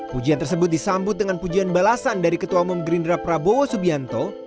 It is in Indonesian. pujian tersebut disambut dengan pujian balasan dari ketua umum gerindra prabowo subianto